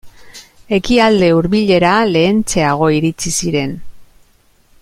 Ekialde Hurbilera lehentxeago iritsi ziren.